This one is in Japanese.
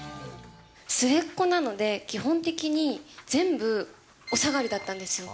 末っ子なので、基本的に全部、お下がりだったんですよ。